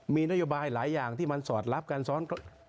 มีนโยบายหลายอย่างที่มันสอดรับการซ้อน